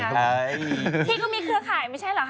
ที่ก็มีเครือข่ายไม่ใช่เหรอคะ